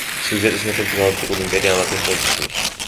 სიუჟეტის მიხედვით, გალაქტიკური იმპერია ამაგრებს პოზიციებს.